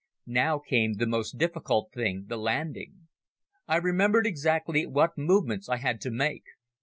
Now came the most difficult thing, the landing. I remembered exactly what movements I had to make.